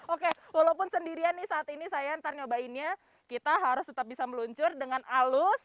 oke walaupun sendirian nih saat ini saya ntar nyobainnya kita harus tetap bisa meluncur dengan halus